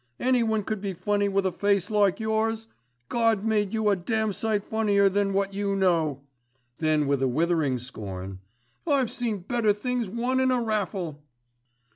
Anyone could be funny with a face like yours. God made you a damn sight funnier than what you know." Then with withering scorn, "I've seen better things won in a raffle."